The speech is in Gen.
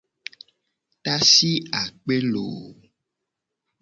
Tasi akpe looo.